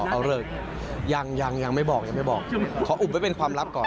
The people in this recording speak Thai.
อ๋อเอาเลิกยังยังไม่บอกขออุบไว้เป็นความลับก่อน